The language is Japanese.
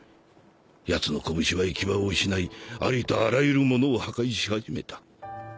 やつの拳は行き場を失いありとあらゆるものを破壊し始めた。